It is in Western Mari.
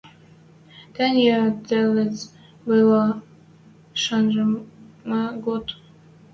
Тӹньӹ ыльыц бойвлӓ шачмы год.